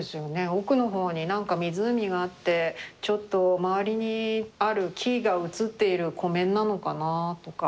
奥の方に何か湖があってちょっと周りにある木が映っている湖面なのかなとか。